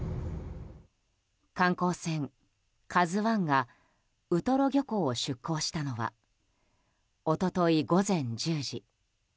観光船「ＫＡＺＵ１」がウトロ漁港を出港したのは一昨日、午前１０時。